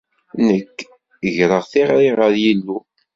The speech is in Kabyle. Nekk, greɣ tiɣri ɣer Yillu.